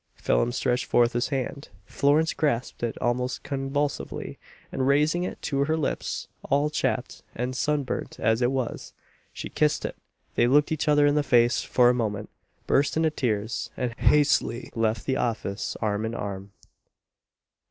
Phelim stretched forth his hand Florence grasped it almost convulsively, and raising it to her lips, all chapped and sun burnt as it was, she kissed it they looked each other in the face for a moment burst into tears, and hastily left the office arm in arm.